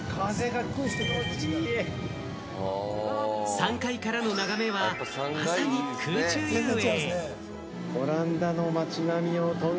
３階からの眺めは、まさに空中遊泳。